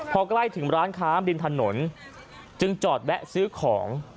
พอใกล้ถึงร้านค้าริมถนนจึงจอดแวะซื้อของ